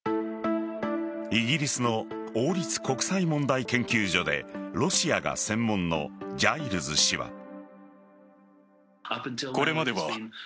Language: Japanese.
イギリスの王立国際問題研究所でロシアが専門のジャイルズ氏は。